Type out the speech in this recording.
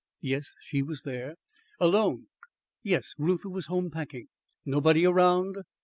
Yes, she was there. "Alone?" Yes, Reuther was home packing. "Nobody around?"